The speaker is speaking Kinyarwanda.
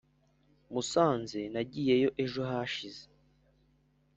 musanze nagiyeyo ejo hashize